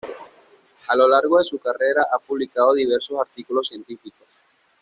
A lo largo de su carrera ha publicado diversos artículos científicos.